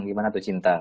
gimana tuh cinta